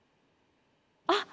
あっ。